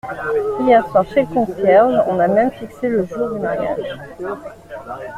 Hier soir, chez le concierge, on a même fixé le jour du mariage.